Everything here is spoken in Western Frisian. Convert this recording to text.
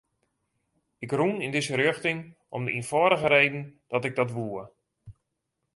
Ik rûn yn dizze rjochting om de ienfâldige reden dat ik dat woe.